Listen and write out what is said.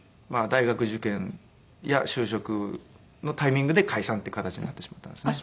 大学受験や就職のタイミングで解散っていう形になってしまったんですね。